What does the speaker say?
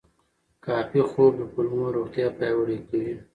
کافي خوب د کولمو روغتیا پیاوړې کوي.